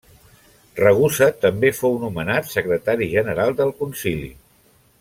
Ragusa també fou nomenat secretari general del Concili.